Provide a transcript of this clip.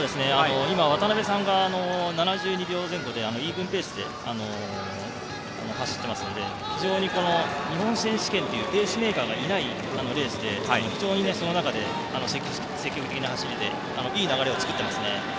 渡邊さんが７２秒前後のイーブンペースで走ってますので非常に日本選手権というペースメーカーがいないレースでその中で積極的な走りでいい流れを作っていますね。